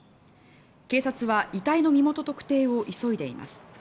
警察は遺体の身元特定を急いでいます。